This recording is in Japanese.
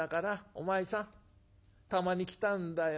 お前さんたまに来たんだよ